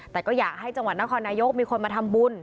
แต่ก็อยากให้จังหวัดนครนายกมีคนมาทำบุญ